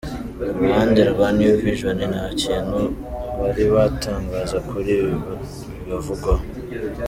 Ku ruhande rwa ‘New Vision’ nta kintu bari batangaza kuri ibi bavugwaho.